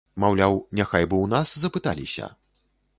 Маўляў, няхай бы ў нас запыталіся.